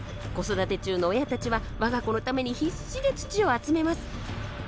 子育て中の親たちは我が子のために必死で土を集めます。